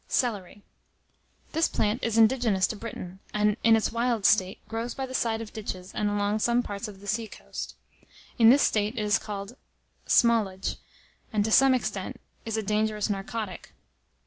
CELERY. This plant is indigenous to Britain, and, in its wild state, grows by the side of ditches and along some parts of the seacoast. In this state it is called smallaqe, and, to some extent, is a dangerous narcotic.